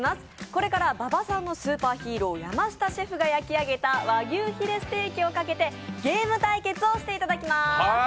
これから馬場さんのスーパーヒーロー、山下シェフが焼き上げた和牛ヒレステーキをかけてゲーム対決をしていただきます。